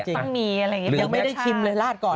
ต้องมีอะไรอย่างนี้ยังไม่ได้ชิมเลยลาดก่อน